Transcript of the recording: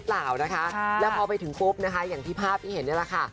เปล่านะคะแล้วพอไปถึงปุ๊บนะคะอย่างที่ภาพที่เห็นนี่แหละค่ะ